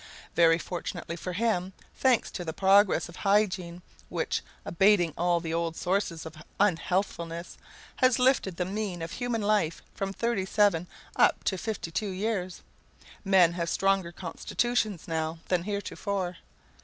Very fortunately for him, thanks to the progress of hygiene, which, abating all the old sources of unhealthfulness, has lifted the mean of human life from 37 up to 52 years, men have stronger constitutions now than heretofore.